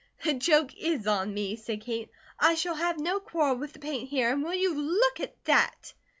"The joke IS on me," said Kate. "I shall have no quarrel with the paint here, and will you look at that?"